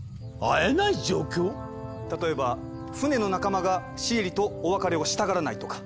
例えば船の仲間がシエリとお別れをしたがらないとか。